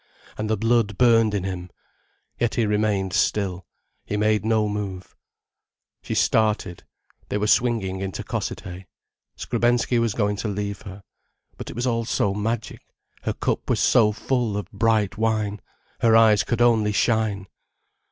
And the blood burned in him. Yet he remained still, he made no move. She started. They were swinging into Cossethay. Skrebensky was going to leave her. But it was all so magic, her cup was so full of bright wine, her eyes could only shine.